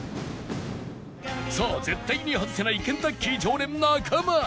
さあ絶対に外せないケンタッキー常連中間